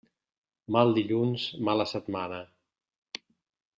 Mal dilluns, mala setmana.